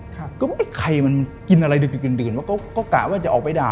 ก็กลับไอ้ใครมันกินอะไรดื่นก๋าว่าจะออกไปด่า